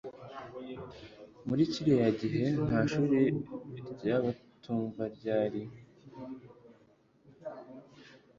Muri kiriya gihe nta shuri ry’abatumva ryari.